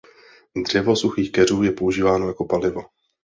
Dřevo suchých keřů je používáno jako palivo.